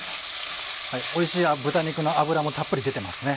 おいしい豚肉の脂もたっぷり出てますね。